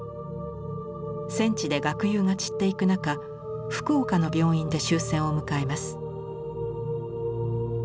戦地で学友が散っていく中福岡の病院で終戦を迎えます。